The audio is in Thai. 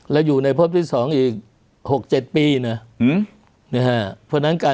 แล้วอยู่ในพบที่สองอีกหกเจ็ดปีนะนะฮะเพราะฉะนั้นการ